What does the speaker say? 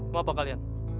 maaf pak kalian